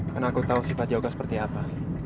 karena aku tau sifat yoga seperti apa